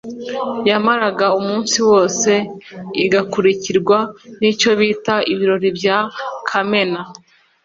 yamaraga umunsi wose igakurikirwa n’icyo bitaga ibirori bya kamena